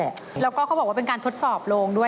แล้วก็เขาบอกว่าเป็นการทดสอบโรงด้วย